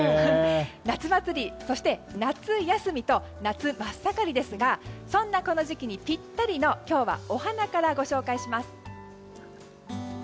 夏祭り、夏休みと夏真っ盛りですがそんなこの時期にピッタリのお花から今日はご紹介します。